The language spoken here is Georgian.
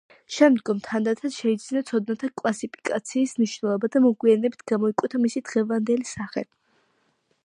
შემდგომ თანდათან შეიძინა ცოდნათა კლასიფიკაციის მნიშვნელობა და მოგვიანებით გამოიკვეთა მისი დღევანდელი სახე.